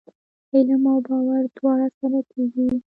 علم او باور دواړه سره کېږي ؟